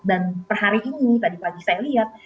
dan per hari ini tadi pagi saya lihat